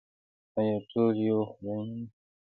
آیا ټول یو خدای مني؟